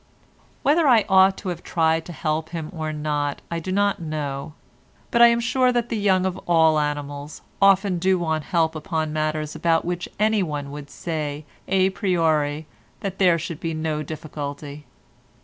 Whether I ought to have tried to help him or not I do not know, but I am sure that the young of all animals often do want help upon matters about which anyone would say a priori that there should be no difficulty.